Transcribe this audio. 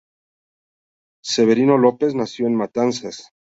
Severino López nació en Matanzas.